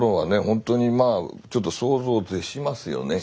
本当にまあちょっと想像を絶しますよね。